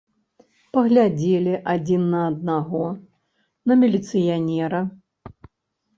Паглядзелі адзін на аднаго, на міліцыянера.